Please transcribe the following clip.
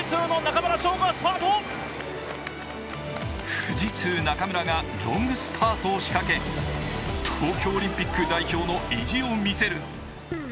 富士通、中村がロングスパートをしかけ東京オリンピック代表の意地を見せる。